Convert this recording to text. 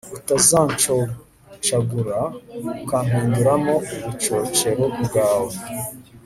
utazancocagura ukampinduramo ubucocero bwawe